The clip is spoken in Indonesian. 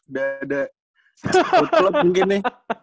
udah ada club mungkin nih